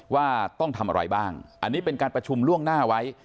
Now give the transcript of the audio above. ว่าต้องทำอะไรบ้างอันนี้เป็นการประชุมล่วงหน้าไว้